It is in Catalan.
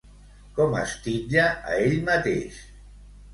Com es titlla a ell mateix?